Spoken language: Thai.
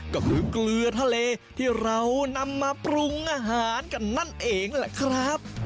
ก็คือเกลือทะเลที่เรานำมาปรุงอาหารกันนั่นเองแหละครับ